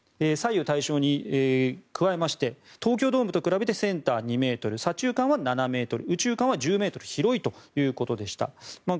その広さは東京ドームと比べてセンター２ｍ左中間は７ｍ右中間は１０ｍ広いということでした。